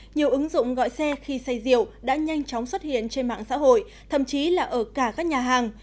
nhiều ứng dụng gọi xe khi say rượu đã nhanh chóng xuất hiện trên mạng xã hội thậm chí là ở cả các nhà hàng